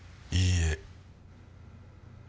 いいえ。